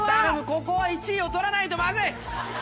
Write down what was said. ここは１位を取らないとまずい！